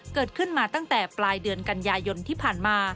เกิดขึ้นมาตั้งแต่ปลายเดือนกันยายนที่ผ่านมา